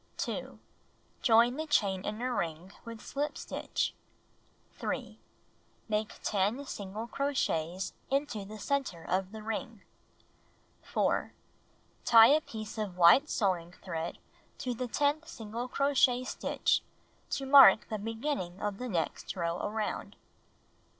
^ fllW^ 2. Join the chain in a ring with slip stitch. 3. Make 10 single crochets into the center of the ring. 4. Tie a piece of white sewing thread to the tenth single crochet stitch, to mark the beginning of the next row around.